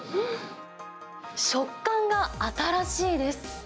食感が新しいです。